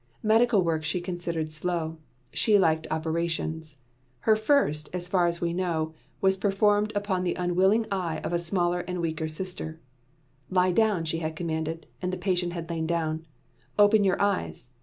Medical work she considered slow. She liked operations. Her first, so far as we know, was performed upon the unwilling eye of a smaller and weaker sister. "Lie down!" she had commanded, and the patient had lain down. "Open your eyes!"